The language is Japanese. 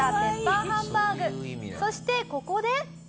そしてここで。